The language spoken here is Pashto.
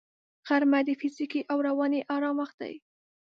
غرمه د فزیکي او رواني آرام وخت دی